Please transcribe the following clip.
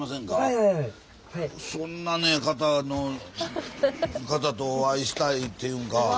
そんなね方の方とお会いしたいっていうんか。